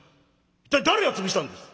「一体誰が潰したんです！？」。